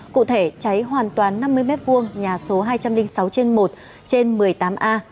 cụ thể cháy hoàn toàn năm mươi m hai nhà số hai trăm linh sáu trên một trên một mươi tám a